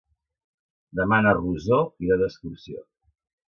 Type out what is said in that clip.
Demà na Rosó irà d'excursió.